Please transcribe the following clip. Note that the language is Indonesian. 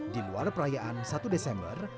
di luar perayaan satu desember